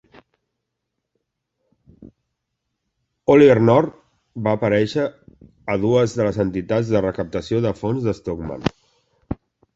Oliver North va aparèixer a dues de les entitats de recaptació de fons de Stockman.